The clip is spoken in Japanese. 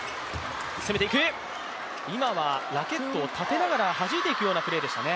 今はラケットを立てながらはじいていくようなプレーでしたね。